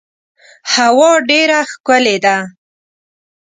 هوا ډیره ښکلې ده .